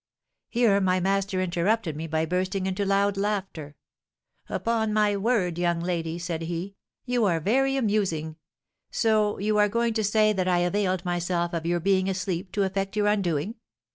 Here my master interrupted me by bursting into loud laughter. 'Upon my word, young lady,' said he, 'you are very amusing. So you are going to say that I availed myself of your being asleep to effect your undoing.